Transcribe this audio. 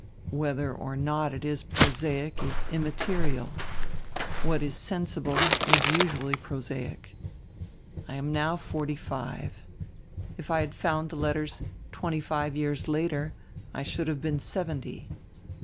Whedier or not it is prosaic is immaterial. What is sensible is usually prosaic. I am now forty five. If I had found die letters twenty five years later I should have been seventy